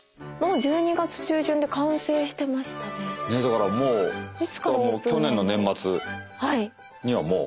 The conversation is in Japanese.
だからもう去年の年末にはもう。